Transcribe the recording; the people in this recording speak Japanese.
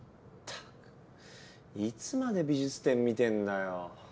ったくいつまで美術展見てんだよ。